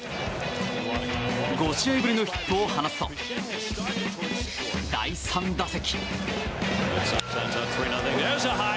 ５試合ぶりのヒットを放つと第３打席。